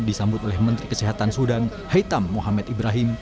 disambut oleh menteri kesehatan sudan haitam muhammad ibrahim